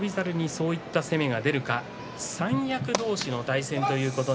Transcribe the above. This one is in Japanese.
そういった攻めが出るか三役同士の対戦です。